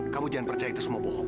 kamu jangan percaya itu semua bohong